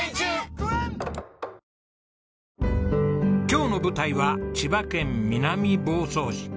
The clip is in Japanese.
今日の舞台は千葉県南房総市。